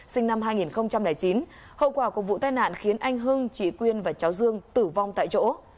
sinh năm hai nghìn chín hậu quả của vụ tai nạn khiến anh hưng chị quyên và cháu dương tử vong tại chỗ